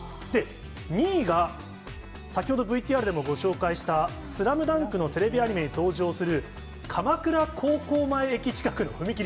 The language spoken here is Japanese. ２位が先ほどＶＴＲでもご紹介した、スラムダンクのテレビアニメに登場する鎌倉高校前駅近くの踏切。